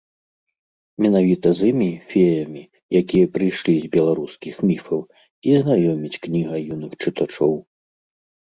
Менавіта з імі, феямі, якія прыйшлі з беларускіх міфаў, і знаёміць кніга юных чытачоў.